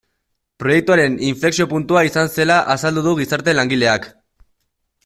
Proiektuaren inflexio puntua izan zela azaldu du gizarte langileak.